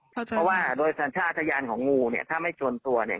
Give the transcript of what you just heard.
เพราะว่าโดยชาญภาษาทะยานของงูถ้าไม่จนตัวเนี่ย